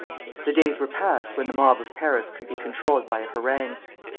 The days were passed when the mob of Paris could be controlled by a harangue.